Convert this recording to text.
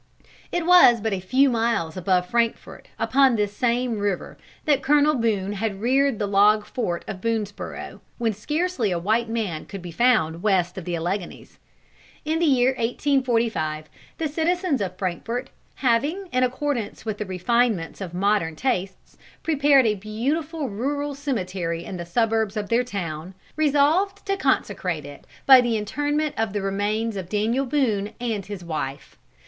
It was but a few miles above Frankfort upon this same river that Colonel Boone had reared the log fort of Boonesborough, when scarcely a white man could be found west of the Alleghanies. In the year 1845, the citizens of Frankfort, having, in accordance with the refinements of modern tastes, prepared a beautiful rural cemetery in the suburbs of their town, resolved to consecrate it by the interment of the remains of Daniel Boone and his wife.